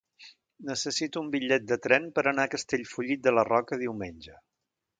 Necessito un bitllet de tren per anar a Castellfollit de la Roca diumenge.